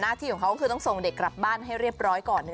ที่ของเขาก็คือต้องส่งเด็กกลับบ้านให้เรียบร้อยก่อน